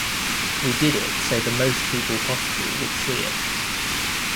We did it so the most people possible would see it.